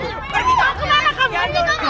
pergi kau kemana kamu